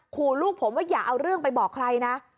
ขู่ลูกผมว่าอย่าเอาเรื่องไปบอกใครนะ